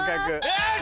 よし！